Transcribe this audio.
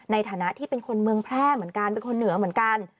ในฐานะที่เป็นคนเมืองแพร่เหมือนกันเป็นคนเหนือเหมือนกัน